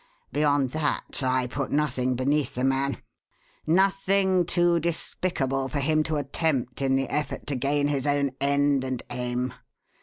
Beyond that, I put nothing beneath the man nothing too despicable for him to attempt in the effort to gain his own end and aim.